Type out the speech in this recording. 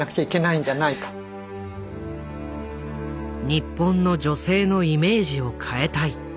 「日本の女性のイメージを変えたい」。